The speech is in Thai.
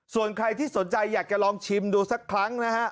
ส่วนใครที่สนใจอยากจะลองชิมดูสักครั้งนะฮะ